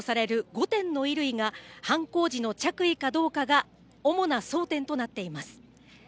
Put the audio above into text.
５点の衣類が犯行時の着衣かどうかが主な争点となっています。